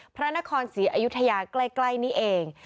พระนครศรีอยุธยาใกล้นี่เอง